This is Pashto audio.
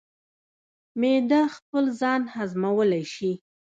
معده خپل ځان هضمولی شي.